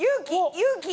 勇気！